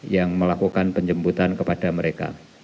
yang melakukan penjemputan kepada mereka